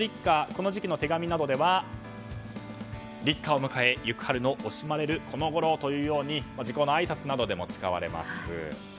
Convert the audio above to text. この時期の手紙などでは立夏を迎え行く春の惜しまれるこのごろと時候のあいさつなどでも使われます。